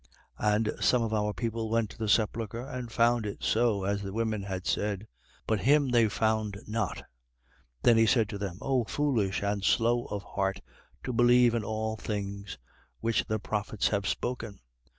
24:24. And some of our people went to the sepulchre and found it so as the women had said: but him they found not. 24:25. Then he said to them: O foolish and slow of heart to believe in all things, Which the prophets have spoken.